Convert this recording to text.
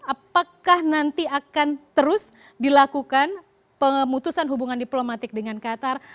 apakah nanti akan terus dilakukan pemutusan hubungan diplomatik dengan qatar